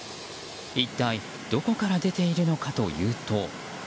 一体どこから出ているのかというと。